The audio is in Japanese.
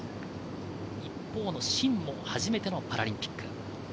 一方のシンも初めてのパラリンピック。